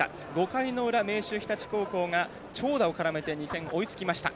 ５回の裏、明秀日立が長打を絡めて２点追いつきました。